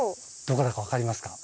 どこだか分かりますか？